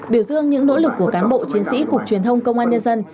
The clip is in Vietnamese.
biểu dương những nỗ lực của cán bộ chiến sĩ cục truyền thông công an nhân dân